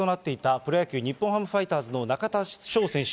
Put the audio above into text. プロ野球・日本ハムファイターズの中田翔選手。